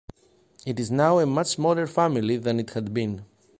It is now a much smaller family than it had been.